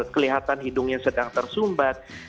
kelihatan hidungnya sedang tersumbat